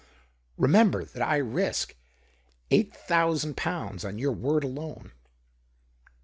Eemember that I risk eiojht thousand pounds on your word alone."